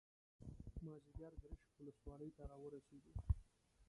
مازیګر ګرشک ولسوالۍ ته راورسېدو.